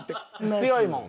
強いもん。